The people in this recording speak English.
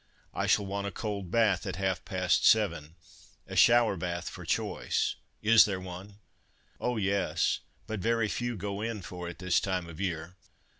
"I shall want a cold bath at half past seven—a shower bath, for choice. Is there one?" "Oh, yes—but very few go in for it this time of year.